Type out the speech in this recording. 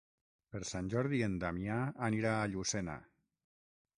Per Sant Jordi en Damià anirà a Llucena.